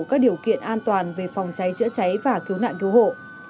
các điều kiện an toàn về phòng cháy chữa cháy và cứu nạn cứu hộ